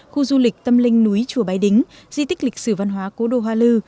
khu du lịch tâm linh núi chùa bái đính di tích lịch sử văn hóa cố đô hoa lư